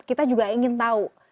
kita juga ingin tahu